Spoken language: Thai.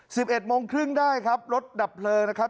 สิบเอ็ดโมงครึ่งได้ครับรถดับเพลิงนะครับ